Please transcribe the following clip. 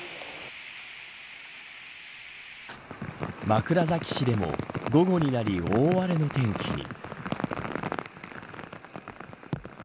枕崎市でも午後になり大荒れの天気に。